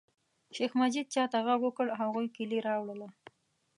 شیخ مجید چاته غږ وکړ او هغوی کیلي راوړله.